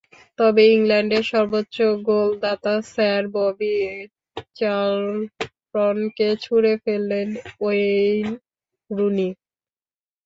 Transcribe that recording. তবে ইংল্যান্ডের সর্বোচ্চ গোলদাতা স্যার ববি চার্লটনকে ছুঁয়ে ফেললেন ওয়েইন রুনি।